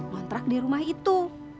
kontrak di rumah itu